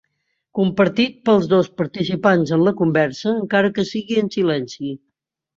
Compartit pels dos participants en la conversa, encara que sigui en silenci.